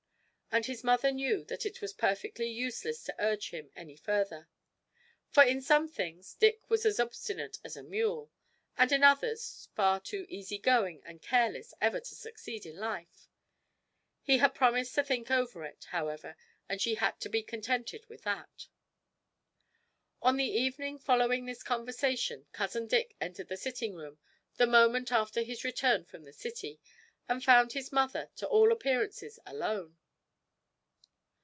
And his mother knew that it was perfectly useless to urge him any further: for, in some things, Dick was as obstinate as a mule, and, in others, far too easy going and careless ever to succeed in life. He had promised to think over it, however, and she had to be contented with that. On the evening following this conversation cousin Dick entered the sitting room the moment after his return from the City, and found his mother to all appearances alone.